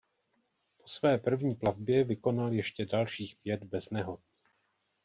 Po své první plavbě vykonal ještě dalších pět bez nehod.